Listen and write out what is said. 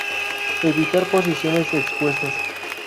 Evitar posiciones expuestas.